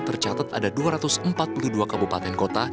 tercatat ada dua ratus empat puluh dua kabupaten kota